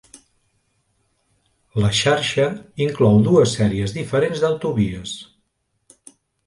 La xarxa inclou dues sèries diferents d'autovies.